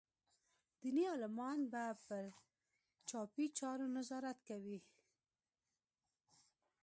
دیني عالمان به پر چاپي چارو نظارت کوي.